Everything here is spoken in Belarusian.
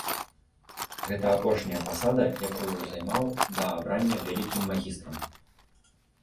Гэта апошняя пасада, якую займаў да абрання вялікім магістрам.